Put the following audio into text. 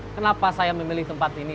kenapa saya memilih tempat ini